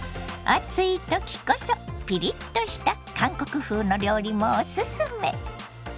暑い時こそピリッとした韓国風の料理もおすすめ。